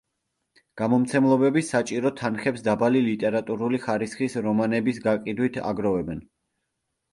გამომცემლობები საჭირო თანხებს დაბალი ლიტერატურული ხარისხის რომანების გაყიდვით აგროვებენ.